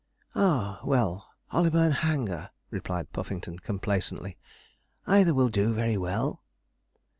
'Ah, well, Hollyburn Hanger,' replied Puffington, complacently; 'either will do very well.'